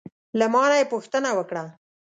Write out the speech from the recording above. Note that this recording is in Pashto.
له ما نه یې پوښتنه وکړه: